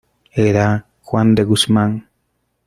era Juan de Guzmán.